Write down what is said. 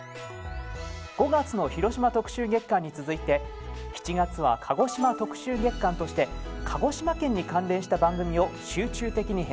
５月の広島特集月間に続いて７月は鹿児島特集月間として鹿児島県に関連した番組を集中的に編成。